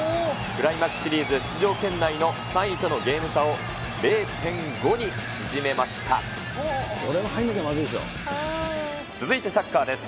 クライマックスシリーズ出場圏内の３位とのゲーム差を０．５に縮これは入らなきゃまずいでし続いてサッカーです。